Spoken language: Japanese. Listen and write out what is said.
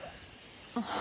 あっ。